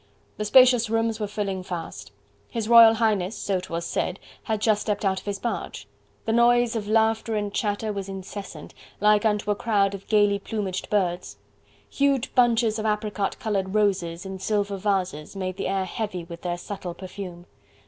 The spacious rooms were filling fast. His Royal Highness, so 'twas said, had just stepped out of his barge. The noise of laughter and chatter was incessant, like unto a crowd of gaily plumaged birds. Huge bunches of apricot coloured roses in silver vases made the air heavy with their subtle perfume.